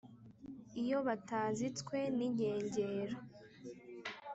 iyo batazitswe n’inkengero,